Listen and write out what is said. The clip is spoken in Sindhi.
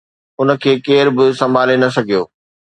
ان کي ڪير به سنڀالي نه سگهيو